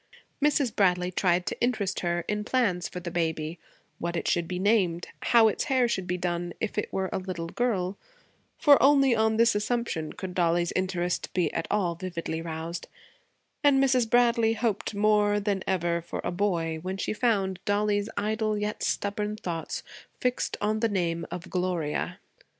Mrs. Bradley tried to interest her in plans for the baby; what it should be named, and how its hair should be done if it were a little girl for only on this assumption could Dollie's interest be at all vividly roused; and Mrs. Bradley hoped more than ever for a boy when she found Dollie's idle yet stubborn thoughts fixed on the name of Gloria.